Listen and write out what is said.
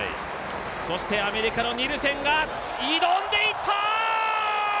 そしてアメリカのニルセンが挑んでいった！